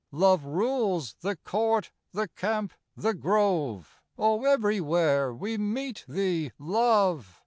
Love rules " the court, the camp, the grove " Oh, everywhere we meet thee, Love